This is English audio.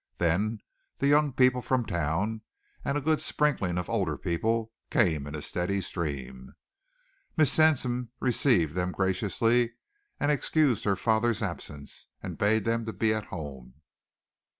Then the young people from town, and a good sprinkling of older people, came in a steady stream. Miss Sampson received them graciously, excused her father's absence, and bade them be at home.